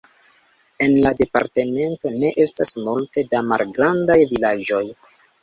En la departemento ne estas multe da malgrandaj vilaĝoj.